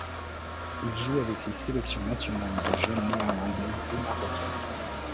Il joue avec les sélections nationales de jeunes néerlandaises et marocaines.